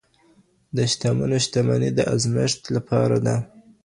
د شتمنو شتمني د ازمېښت لپاره ده.